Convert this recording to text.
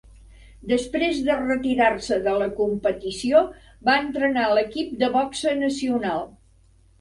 Després de retirar-se de la competició, va entrenar l'equip de boxa nacional.